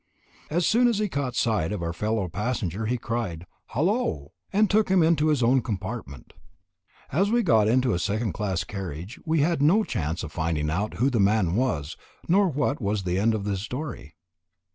As soon as he caught sight of our fellow passenger, he cried, "Hallo," and took him into his own compartment. As we got into a second class carriage, we had no chance of finding out who the man was nor what was the end of his story.